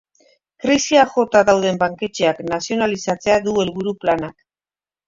Krisiak jota dauden banketxeak nazionalizatzea du helburu planak.